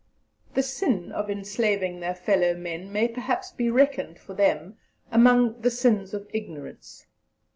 The sin of enslaving their fellow men may perhaps be reckoned, for them, among the "sins of ignorance."